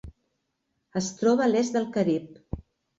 Es troba a l'est del Carib.